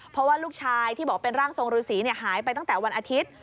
เพราะว่าลูกชายที่บอกเป็นร่างทรงฤษีหายไปตั้งแต่วันอาทิตย์